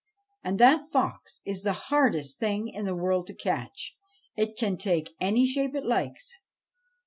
And that fox is the hardest thing in the world to catch : it can take any shape it likes.